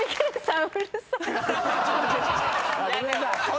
ごめんなさい。